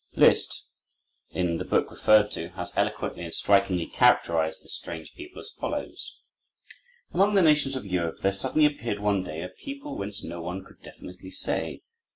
Liszt, in the book referred to, has eloquently and strikingly characterized this strange people, as follows: "Among the nations of Europe there suddenly appeared one day a people, whence no one could definitely say.